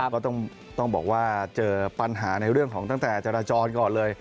ก็ต้องบอกว่าเจอปัญหาในเรื่องของตั้งแต่จราจรก่อนเลย